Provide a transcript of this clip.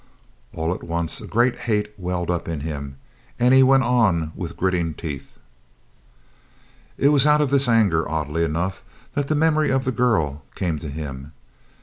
All at once a great hate welled up in him, and he went on with gritting teeth. It was out of this anger, oddly enough, that the memory of the girl came to him.